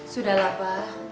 sudah lah pak